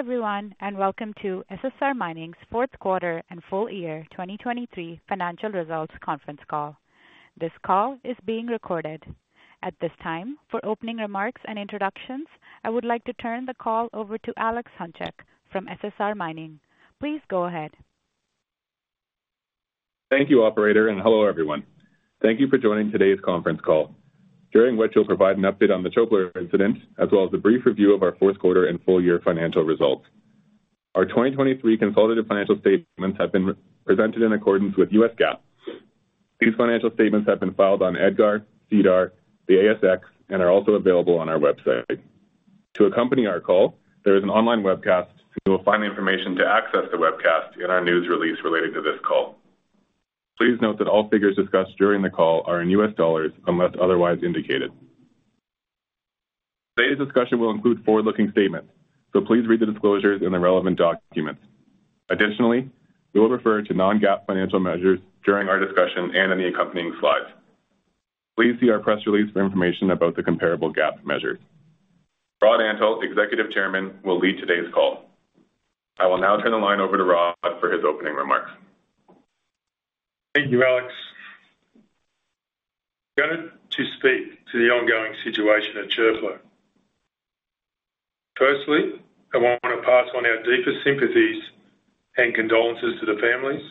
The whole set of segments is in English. Hello everyone, and welcome to SSR Mining's fourth quarter and full-year 2023 financial results conference call. This call is being recorded. At this time, for opening remarks and introductions, I would like to turn the call over to Alex Hunchak from SSR Mining. Please go ahead. Thank you, operator, and hello everyone. Thank you for joining today's conference call, during which we'll provide an update on the Çöpler incident, as well as a brief review of our fourth quarter and full-year financial results. Our 2023 consolidated financial statements have been presented in accordance with US GAAP. These financial statements have been filed on EDGAR, SEDAR, the ASX, and are also available on our website. To accompany our call, there is an online webcast. You will find the information to access the webcast in our news release relating to this call. Please note that all figures discussed during the call are in U.S. dollars unless otherwise indicated. Today's discussion will include forward-looking statements, so please read the disclosures in the relevant documents. Additionally, we will refer to non-GAAP financial measures during our discussion and in the accompanying slides. Please see our press release for information about the comparable GAAP measure. Rod Antal, Executive Chairman, will lead today's call. I will now turn the line over to Rod for his opening remarks. Thank you, Alex. I'm going to speak to the ongoing situation at Çöpler. Firstly, I want to pass on our deepest sympathies and condolences to the families,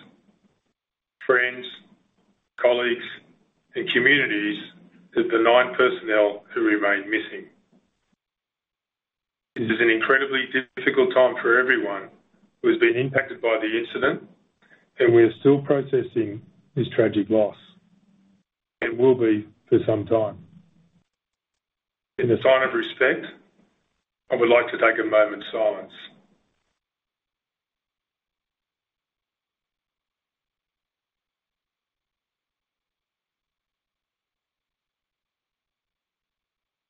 friends, colleagues, and communities of the nine personnel who remain missing. This is an incredibly difficult time for everyone who has been impacted by the incident, and we are still processing this tragic loss. It will be for some time. In a sign of respect, I would like to take a moment of silence.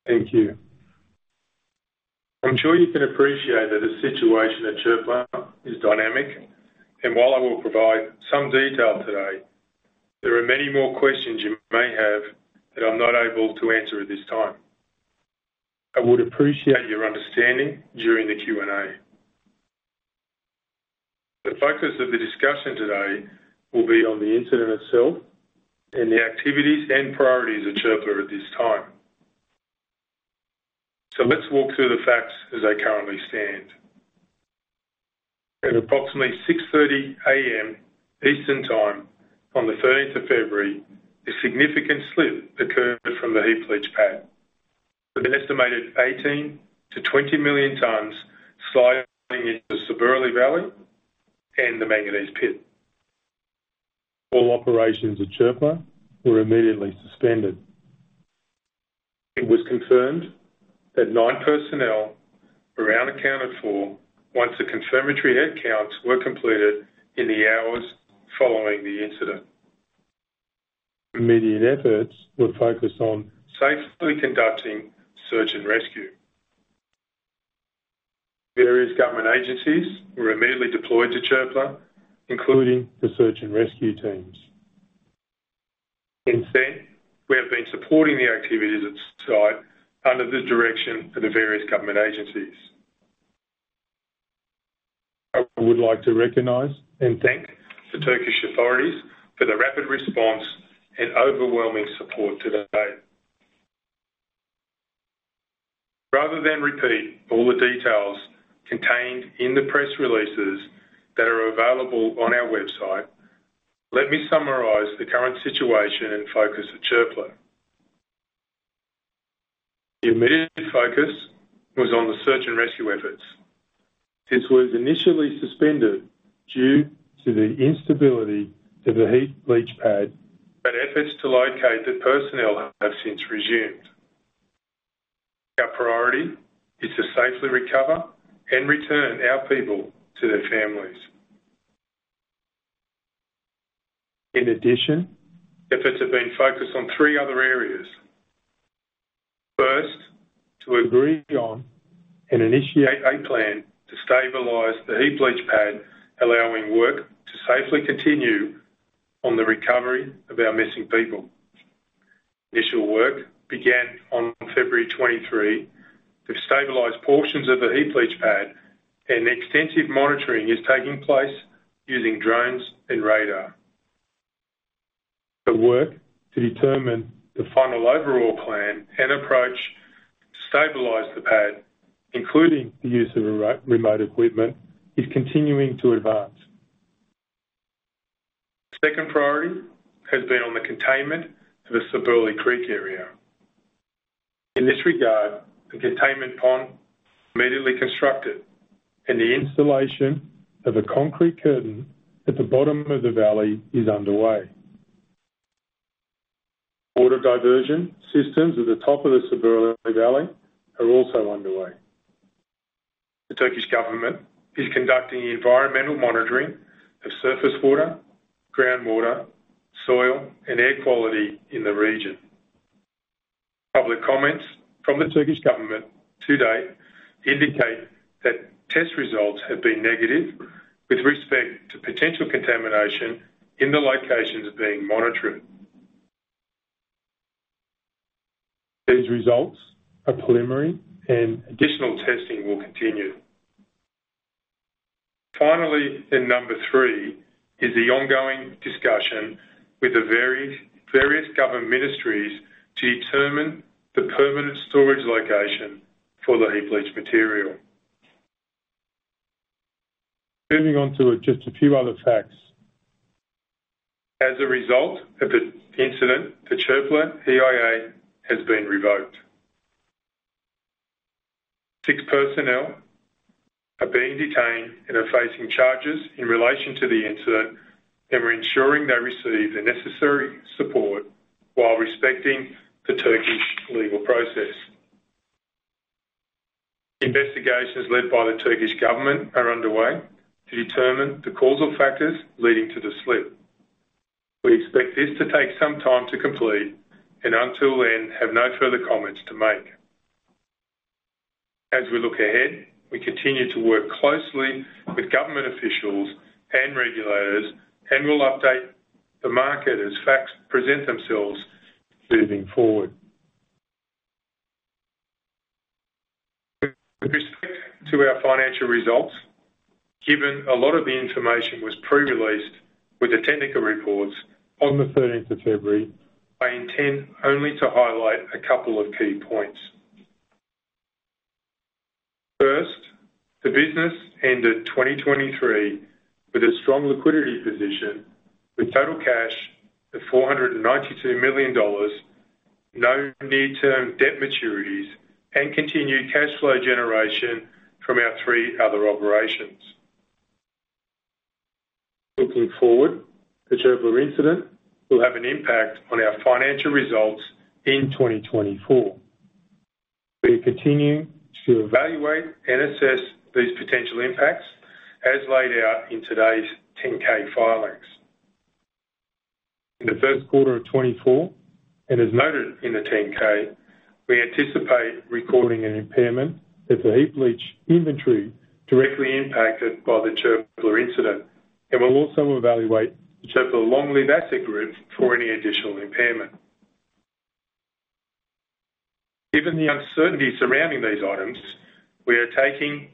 Thank you. I'm sure you can appreciate that the situation at Çöpler is dynamic, and while I will provide some detail today, there are many more questions you may have that I'm not able to answer at this time. I would appreciate your understanding during the Q&A. The focus of the discussion today will be on the incident itself and the activities and priorities at Çöpler at this time. So let's walk through the facts as they currently stand. At approximately 6:30 A.M. Eastern Time, on the 13th of February, a significant slip occurred from the heap leach pad, with an estimated 18-20 million tons sliding into the Sabırlı Valley and the Manganese Pit. All operations at Çöpler were immediately suspended. It was confirmed that nine personnel were unaccounted for once the confirmatory headcounts were completed in the hours following the incident. Immediate efforts were focused on safely conducting search and rescue. Various government agencies were immediately deployed to Çöpler, including the search and rescue teams. Instead, we have been supporting the activities at site under the direction of the various government agencies. I would like to recognize and thank the Turkish authorities for their rapid response and overwhelming support to date. Rather than repeat all the details contained in the press releases that are available on our website, let me summarize the current situation and focus at Çöpler. The immediate focus was on the search and rescue efforts. This was initially suspended due to the instability of the heap leach pad, but efforts to locate the personnel have since resumed. Our priority is to safely recover and return our people to their families. In addition, efforts have been focused on three other areas. First, to agree on and initiate a plan to stabilize the heap leach pad, allowing work to safely continue on the recovery of our missing people. Initial work began on February 23 to stabilize portions of the heap leach pad, and extensive monitoring is taking place using drones and radar. The work to determine the final overall plan and approach to stabilize the pad, including the use of remote equipment, is continuing to advance. Second priority has been on the containment of the Sabırlı Creek area. In this regard, the containment pond immediately constructed and the installation of a concrete curtain at the bottom of the valley is underway. Water diversion systems at the top of the Sabırlı Valley are also underway. The Turkish government is conducting environmental monitoring of surface water, groundwater, soil, and air quality in the region. Public comments from the Turkish government to date indicate that test results have been negative with respect to potential contamination in the locations being monitored. These results are preliminary and additional testing will continue. Finally, and number three, is the ongoing discussion with the various government ministries to determine the permanent storage location for the heap leach material. Moving on to just a few other facts. As a result of the incident, the Çöpler EIA has been revoked. Six personnel are being detained and are facing charges in relation to the incident, and we're ensuring they receive the necessary support while respecting the Turkish legal process. Investigations led by the Turkish government are underway to determine the causal factors leading to the slip. We expect this to take some time to complete and until then, have no further comments to make. As we look ahead, we continue to work closely with government officials and regulators, and we'll update the market as facts present themselves moving forward. With respect to our financial results, given a lot of the information was pre-released with the technical reports on the 13th of February, I intend only to highlight a couple of key points. First, the business ended 2023 with a strong liquidity position, with total cash of $492 million, no near-term debt maturities, and continued cash flow generation from our three other operations. Looking forward, the Çöpler incident will have an impact on our financial results in 2024. We continue to evaluate and assess these potential impacts as laid out in today's 10-K filings. In the first quarter of 2024, and as noted in the 10-K, we anticipate recording an impairment of the heap leach inventory directly impacted by the Çöpler incident, and we'll also evaluate the Çöpler long-lived asset group for any additional impairment. Given the uncertainty surrounding these items, we are taking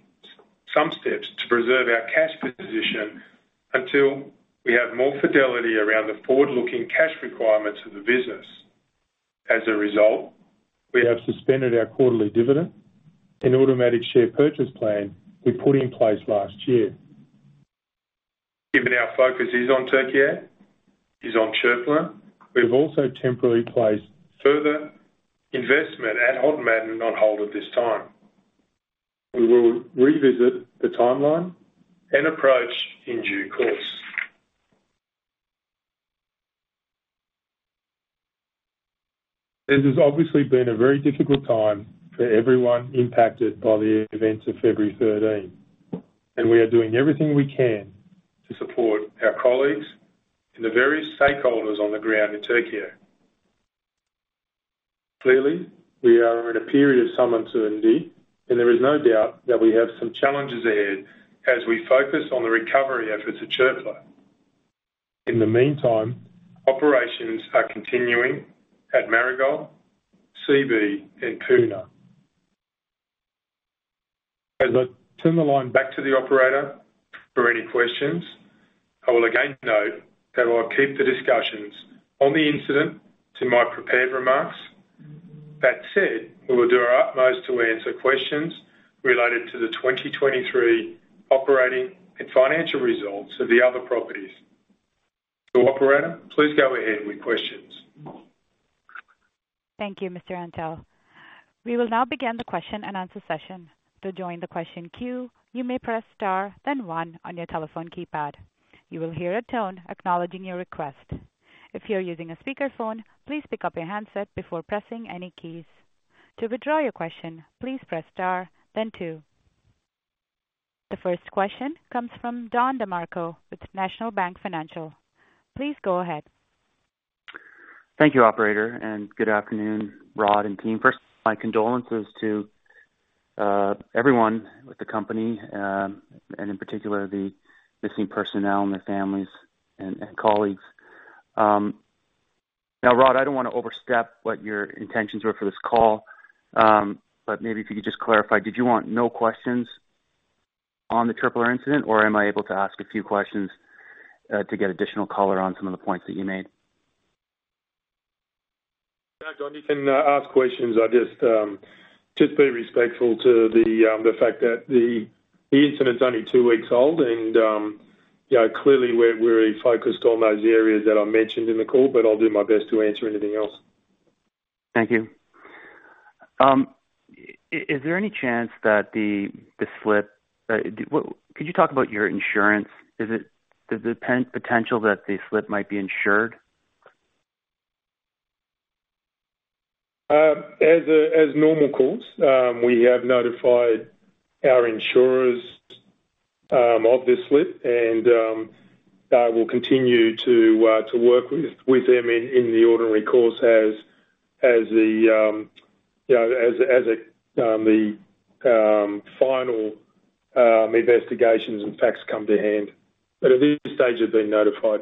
some steps to preserve our cash position until we have more fidelity around the forward-looking cash requirements of the business. As a result, we have suspended our quarterly dividend and automatic share purchase plan we put in place last year. Given our focus is on Türkiye, is on Çöpler, we have also temporarily placed further investment at Hod Maden on hold at this time. We will revisit the timeline and approach in due course. This has obviously been a very difficult time for everyone impacted by the events of February 13, and we are doing everything we can to support our colleagues and the various stakeholders on the ground in Türkiye. Clearly, we are in a period of some uncertainty, and there is no doubt that we have some challenges ahead as we focus on the recovery efforts at Çöpler. In the meantime, operations are continuing at Marigold, Seabee, and Puna. As I turn the line back to the operator for any questions, I will again note that I'll keep the discussions on the incident to my prepared remarks. That said, we will do our utmost to answer questions related to the 2023 operating and financial results of the other properties. Operator, please go ahead with questions. Thank you, Mr. Antal. We will now begin the question-and-answer session. To join the question queue, you may press star, then one on your telephone keypad. You will hear a tone acknowledging your request. If you're using a speakerphone, please pick up your handset before pressing any keys. To withdraw your question, please press star then two. The first question comes from Don DeMarco with National Bank Financial. Please go ahead. Thank you, operator, and good afternoon, Rod and team. First, my condolences to everyone with the company, and in particular, the missing personnel and their families and colleagues. Now, Rod, I don't want to overstep what your intentions were for this call, but maybe if you could just clarify: did you want no questions on the Çöpler incident, or am I able to ask a few questions to get additional color on some of the points that you made? No, Don, you can ask questions. I just be respectful to the fact that the incident is only two weeks old, and you know, clearly, we're focused on those areas that I mentioned in the call, but I'll do my best to answer anything else. Thank you. Is there any chance that the, the slip could you talk about your insurance? Is it, does the potential that the slip might be insured? As a normal course, we have notified our insurers of this slip, and I will continue to work with them in the ordinary course as the, you know, final investigations and facts come to hand. But at this stage, I've been notified.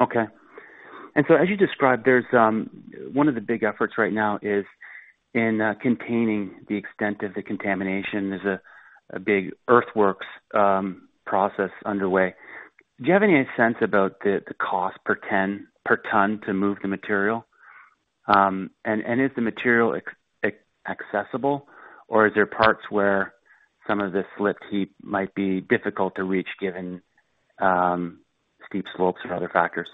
Okay. And so as you described, there's one of the big efforts right now is in containing the extent of the contamination. There's a big earthworks process underway. Do you have any sense about the cost per ton to move the material? And is the material accessible, or are there parts where some of this slipped heap might be difficult to reach, given steep slopes and other factors?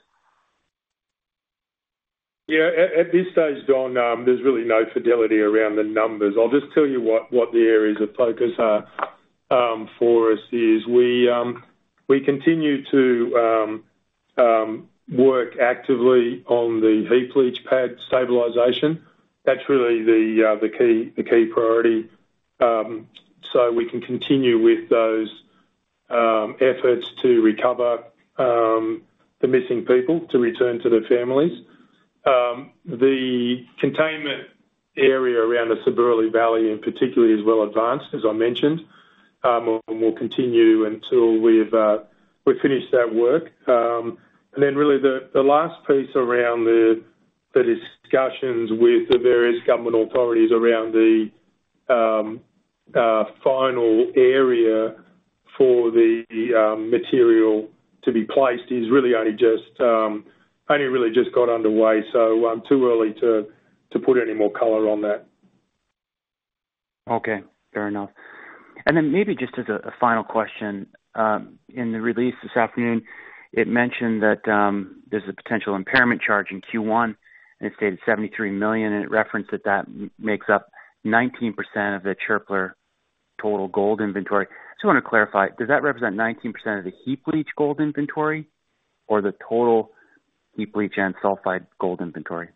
Yeah. At this stage, Don, there's really no fidelity around the numbers. I'll just tell you what the areas of focus are for us is. We continue to work actively on the heap leach pad stabilization. That's really the key priority, so we can continue with those efforts to recover the missing people to return to their families. The containment area around the Sabırlı Valley in particular is well advanced, as I mentioned. And we'll continue until we've finished that work. And then really, the last piece around the final area for the material to be placed is really only just, only really just got underway, so too early to put any more color on that. Okay, fair enough. And then maybe just as a final question. In the release this afternoon, it mentioned that there's a potential impairment charge in Q1, and it stated $73 million, and it referenced that that makes up 19% of the Çöpler total gold inventory. Just wanna clarify, does that represent 19% of the heap leach gold inventory or the total heap leach and sulfide gold inventory?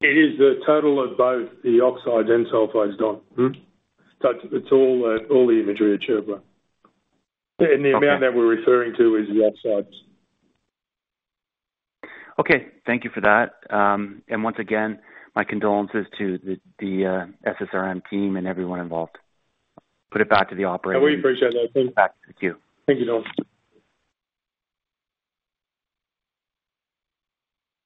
It is a total of both the oxides and sulfides, Don. Mm-hmm. So it's all, all the inventory at Çöpler. Okay. The amount that we're referring to is the oxides. Okay. Thank you for that. Once again, my condolences to the SSRM team and everyone involved. Put it back to the operator. I really appreciate that. Thank you. Back to you. Thank you, Don.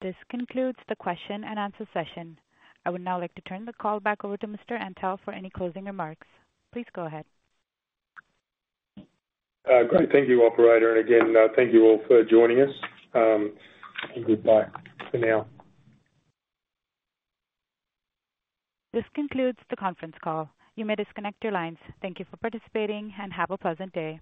This concludes the question-and-answer session. I would now like to turn the call back over to Mr. Antal for any closing remarks. Please go ahead. Great. Thank you, operator, and again, thank you all for joining us. Goodbye for now. This concludes the conference call. You may disconnect your lines. Thank you for participating, and have a pleasant day.